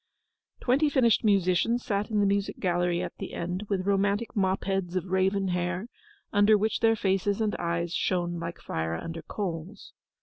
Twenty finished musicians sat in the music gallery at the end, with romantic mop heads of raven hair, under which their faces and eyes shone like fire under coals.